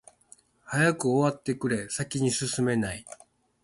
早く終わってくれ、先に進めない。